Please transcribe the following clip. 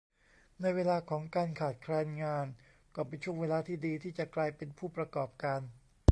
ในเวลาของการขาดแคลนงานก็เป็นช่วงเวลาที่ดีที่จะกลายเป็นผู้ประกอบการ